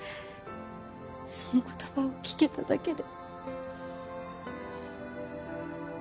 その言葉を聞けただけで。